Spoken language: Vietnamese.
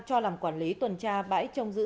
cho làm quản lý tuần tra bãi trông giữ